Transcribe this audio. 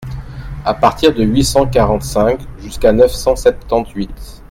À partir de huit cent quarante-cinq jusqu’à neuf cent septante-huit.